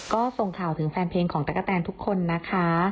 ก็ส่งข่าวถึงแฟนเพลงของตะกะแตนทุกคนนะคะ